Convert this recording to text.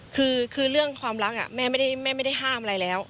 คือเรื่องความรักแม่ไม่ได้ห้ามอะไรแล้ว